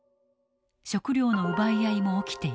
食料の奪い合いも起きていた。